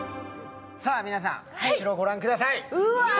さあ皆さん、後ろをご覧ください。